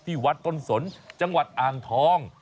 วัดต้นสนจังหวัดอ่างทอง